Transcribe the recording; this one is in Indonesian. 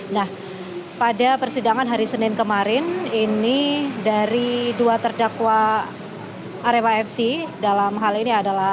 nah pada persidangan hari senin kemarin ini dari dua terdakwa arema fc dalam hal ini adalah